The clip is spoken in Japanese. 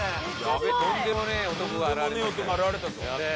やべえとんでもねえ男が現れた。